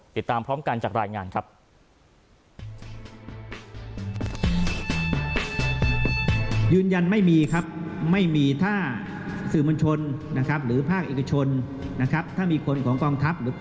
ติดตามพร้อมกันจากรายงานครับ